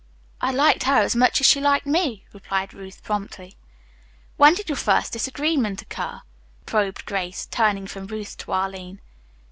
"I liked her as much as she liked me," replied Ruth promptly. "When did your first disagreement occur?" probed Grace, turning from Ruth to Arline.